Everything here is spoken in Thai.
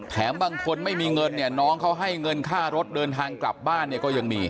บางคนไม่มีเงินเนี่ยน้องเขาให้เงินค่ารถเดินทางกลับบ้านเนี่ยก็ยังมี